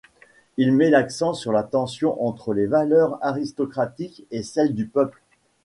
Il met l'accent sur la tension entre les valeurs aristocratiques et celles du peuple.